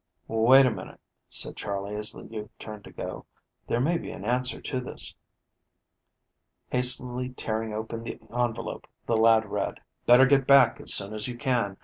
"Wait a minute," said Charley, as the youth turned to go. "There may be an answer to this." Hastily tearing open the envelope, the lad read: "Better get back as soon as you can.